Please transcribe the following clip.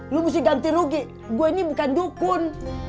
lu mesti ganti rugi gue ini bukan dukun